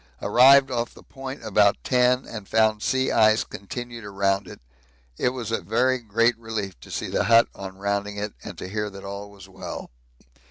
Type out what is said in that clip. Arrived off the point about ten and found sea ice continued around it. It was a very great relief to see the hut on rounding it and to hear that all was well.